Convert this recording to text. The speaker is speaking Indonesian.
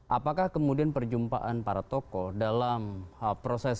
apakah kemudian perjumpaan para tokoh dalam proses